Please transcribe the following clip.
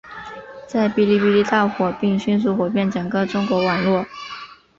在哔哩哔哩大火并迅速火遍整个中国网络。